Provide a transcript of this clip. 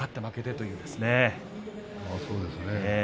そうですね。